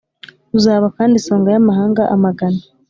uzaba kandi isonga y'amahanga amagana.